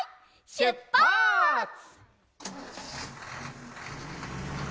しゅっぱつ！